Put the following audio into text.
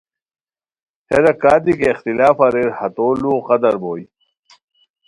ہیرہ کا دی کی اختلاف اریر ہتو لوؤ قدر بوئے